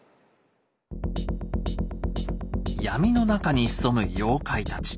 闇の中に潜む妖怪たち。